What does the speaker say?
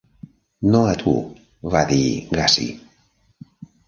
"No a tu", va dir Gussie.